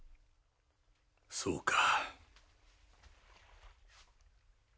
そうか。